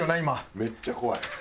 めっちゃ怖い。